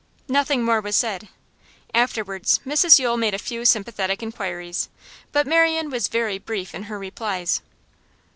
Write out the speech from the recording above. Nothing more was said. Afterwards Mrs Yule made a few sympathetic inquiries, but Marian was very brief in her replies.